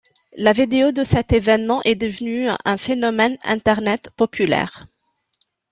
La vidéo de cet événement est devenu un phénomène Internet populaire.